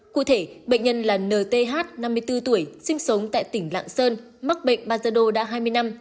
cụ thể bệnh nhân là nth năm mươi bốn tuổi sinh sống tại tỉnh lạng sơn mắc bệnh bai ra đầu đã hai mươi năm